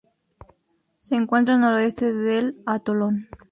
Se encuentra al noroeste del atolón.